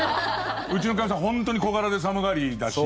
うちのかみさん本当に小柄で寒がりだし。